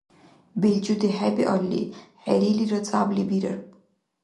БелчӀуди хӀебиалли, хӀерелира цӀябли бирар.